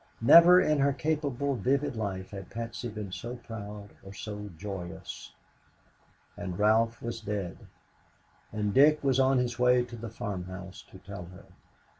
Never in her capable, vivid life had Patsy been so proud and so joyous. And Ralph was dead, and Dick was on his way to the farm house to tell her.